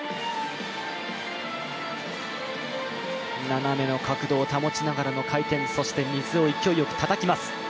斜めの角度を保ちながらの回転、そして水を勢いよくたたきます。